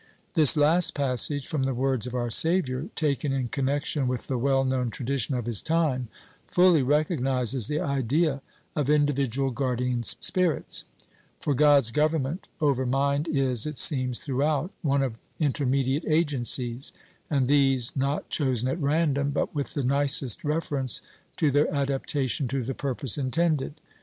This last passage, from the words of our Savior, taken in connection with the well known tradition of his time, fully recognizes the idea of individual guardian spirits; for God's government over mind is, it seems, throughout, one of intermediate agencies, and these not chosen at random, but with the nicest reference to their adaptation to the purpose intended.